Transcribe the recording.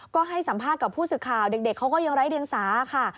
ก็ให้สัมภาษณ์กับผู้สื่อข่าวเด็กเขาก็ยังไร้เดียงสาค่ะ